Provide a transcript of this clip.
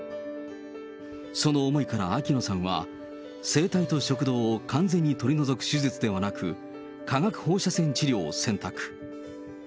その思いから秋野さんは、声帯と食道を完全に取り除く手術ではなく、化学放射線治療を選択。